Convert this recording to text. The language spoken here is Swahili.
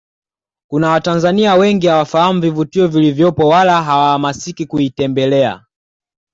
Kuna Watanzania wengi hawafahamu vivutio vilivyopo wala hawahamasiki kuitembelea